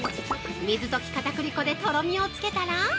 水溶き片栗粉でとろみをつけたら。